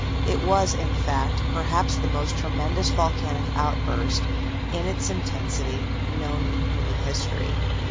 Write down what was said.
It was, in fact, perhaps the most tremendous volcanic outburst, in its intensity, known in human history.